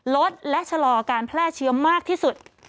ลดและชะลอการแพร่เชื้อมากที่สุด